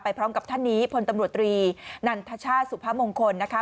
พร้อมกับท่านนี้พลตำรวจตรีนันทชาติสุพมงคลนะคะ